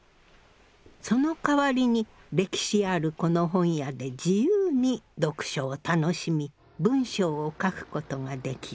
そのかわりに歴史あるこの本屋で自由に読書を楽しみ文章を書くことができる。